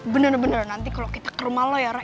bener bener nanti kalo kita ke rumah lo ya re